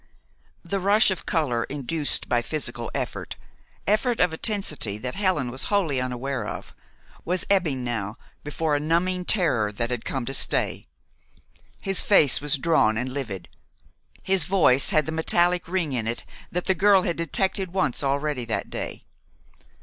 The rush of color induced by physical effort effort of a tensity that Helen was wholly unaware of was ebbing now before a numbing terror that had come to stay. His face was drawn and livid. His voice had the metallic ring in it that the girl had detected once already that day.